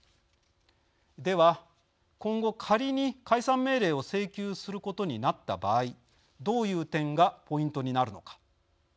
では今後、仮に解散命令を請求することになった場合どういう点がポイントになるのか。